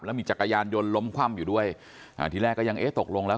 มีจักรยานยนต์ล้มคว่ำอยู่ด้วยอ่าทีแรกก็ยังเอ๊ะตกลงแล้ว